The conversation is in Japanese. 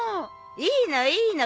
いいのいいの。